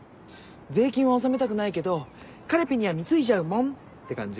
税金は納めたくないけどカレピには貢いじゃうもん！って感じ？